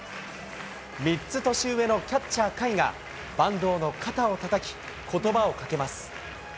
３つ年上のキャッチャー、甲斐が板東の肩をたたき、ことばをかけます。